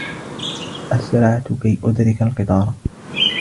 أَسْرَعْتُ كَيْ أُدْرِكَ الْقِطَارَ.